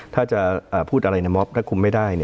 ถ้าจะพูดอะไรในม็อบถ้าคุมไม่ได้